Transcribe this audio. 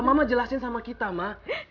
mama jelasin sama kita mak